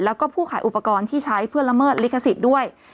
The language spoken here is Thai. แล้วก็ผู้ขายอุปกรณ์ที่ใช้เพื่อละเมิดลิขสิทธิ์ด้วย